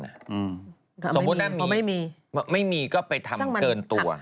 ไม่มีหรือเปล่าไม่มีไม่มีก็ไปทำเกินตัว